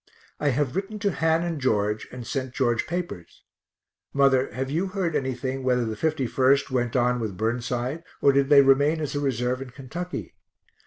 I have written to Han and George and sent George papers. Mother, have you heard anything whether the 51st went on with Burnside, or did they remain as a reserve in Kentucky?